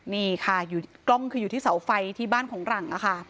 นี่ค่ะอยู่กล้องคืออยู่ที่เสาไฟที่บ้านของหลัง